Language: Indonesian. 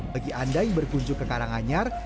bagi anda yang berkunjung ke karanganyar